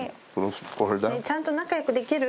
ちゃんと仲よくできる？